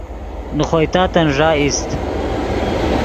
نے خوئے تاتن ݱا ایست